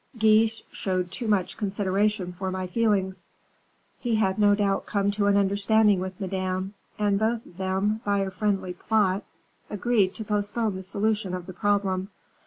Guiche showed too much consideration for my feelings; he had no doubt come to an understanding with Madame, and both of them, by a friendly plot, agreed to postpone the solution of the problem.